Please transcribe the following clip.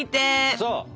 そう！